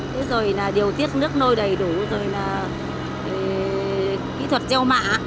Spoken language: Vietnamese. thế rồi là điều tiết nước nôi đầy đủ rồi là kỹ thuật gieo mạ